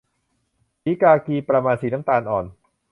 สีกากี ประมาณสีน้ำตาลอ่อน